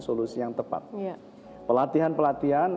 solusi yang tepat pelatihan pelatihan